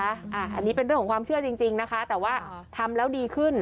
อันนี้เป็นเรื่องของความเชื่อจริงนะคะแต่ว่าทำแล้วดีขึ้น